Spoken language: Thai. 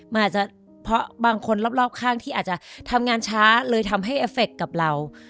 มันอาจจะเพราะบางคนรอบข้างที่อาจจะทำงานช้าเลยทำให้เอฟเฟคกับเรา